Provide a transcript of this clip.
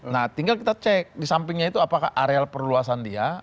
nah tinggal kita cek di sampingnya itu apakah areal perluasan dia